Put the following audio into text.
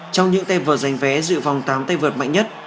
trong những tay vợt giành vé giữa vòng tám tay vợt mạnh nhất